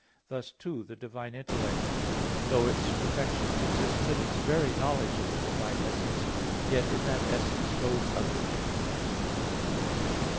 Thus, too, the divine intellect, though its perfection consists in its very knowledge of the divine essence, yet in that essence knows other things.